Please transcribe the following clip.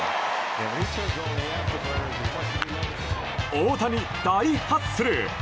大谷、大ハッスル！